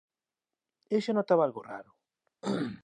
Eu xa notaba algo raro